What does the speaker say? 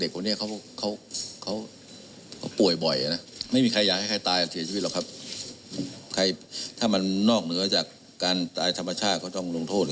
ก็ต้องลงโทษเหมือนกัน